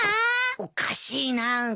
おかしいな。